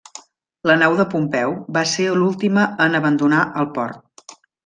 La nau de Pompeu va ser l'última en abandonar el port.